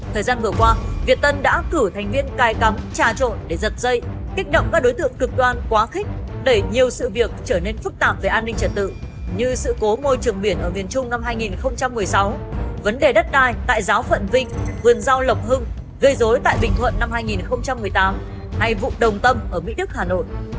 thời gian vừa qua việt tân đã cử thành viên cai cắm trà trộn để giật dây kích động các đối tượng cực đoan quá khích để nhiều sự việc trở nên phức tạp về an ninh trật tự như sự cố môi trường biển ở miền trung năm hai nghìn một mươi sáu vấn đề đất đai tại giáo phận vinh vườn giao lộc hưng gây dối tại bình thuận năm hai nghìn một mươi tám hay vụ đồng tâm ở mỹ đức hà nội